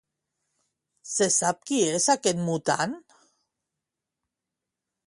Se sap qui és aquest mutant?